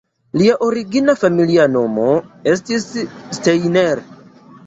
Lia origina familia nomo estis Steiner.